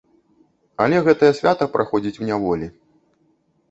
Але гэтае свята праходзіць у няволі.